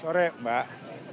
selamat sore mbak